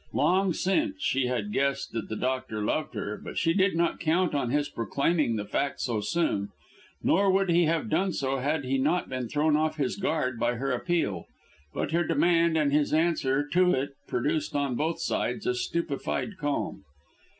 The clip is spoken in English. Long since she had guessed that the doctor loved her, but she did not count on his proclaiming the fact so soon. Nor would he have done so had he not been thrown off his guard by her appeal. But her demand and his answer to it produced on both sides a stupefied calm.